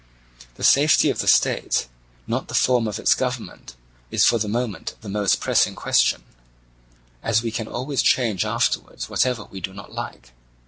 The safety of the state, not the form of its government, is for the moment the most pressing question, as we can always change afterwards whatever we do not like."